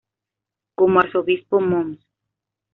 Como Arzobispo, Mons.